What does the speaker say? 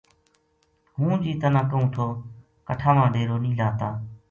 ہوں جی تنا کہوں تھو کٹھا ما ڈیرو نیہہ لاتا